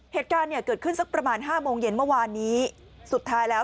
เหตุการณ์เนี่ยเกิดขึ้นสักประมาณห้าโมงเย็นเมื่อวานนี้สุดท้ายแล้ว